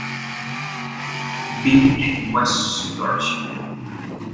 Vive en West Yorkshire.